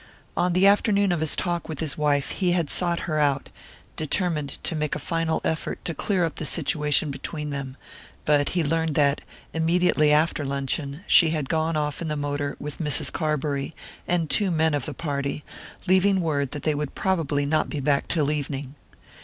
On the afternoon of his talk with his wife he had sought her out, determined to make a final effort to clear up the situation between them; but he learned that, immediately after luncheon, she had gone off in the motor with Mrs. Carbury and two men of the party, leaving word that they would probably not be back till evening.